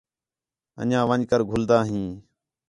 انڄیاں ون٘ڄ کر گھلدا ہیں